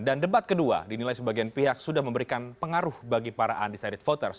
dan debat kedua dinilai sebagian pihak sudah memberikan pengaruh bagi para undecided voters